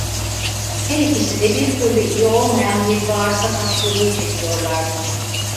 Her ikisi de bir türlü iyi olmayan bir bağırsak hastalığı çekiyorlardı.